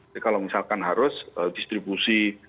jadi kalau misalkan harus distribusi